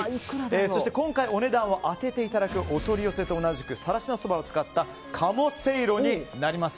そして今回お値段を当てていただくお取り寄せと同じくさらしなそばを使った鴨せいろになります。